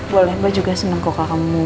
boleh mbak juga seneng kok kalau kamu mau bantuin